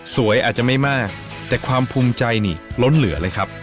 อาจจะไม่มากแต่ความภูมิใจนี่ล้นเหลือเลยครับ